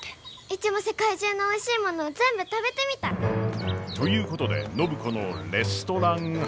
うちも世界中のおいしいもの全部食べてみたい！ということで暢子のレストラン初体験！